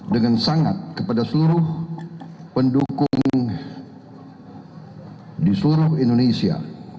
dengan sangat kepada seluruh pendukung di seluruh indonesia